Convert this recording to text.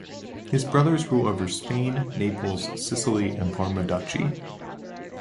His brothers rule over Spain, Naples, Sicily and Parma Duchy.